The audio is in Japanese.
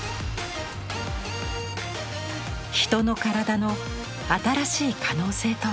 人の身体の新しい可能性とは。